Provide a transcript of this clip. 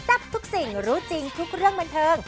ทับทุกสิ่งรู้จริงทุกเรื่องบันเทิง